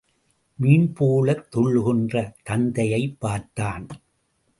மீன்போலத் துள்ளுகின்ற தந்தையைப் பார்த்தான்.